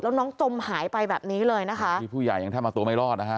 แล้วน้องจมหายไปแบบนี้เลยนะคะนี่ผู้ใหญ่ยังแทบเอาตัวไม่รอดนะฮะ